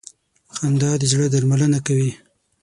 خندا د زړه درملنه کوي.